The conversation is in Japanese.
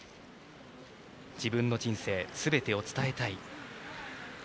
自分の人生すべてを伝えたい。